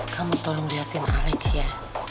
kamu tolong liatin alek ya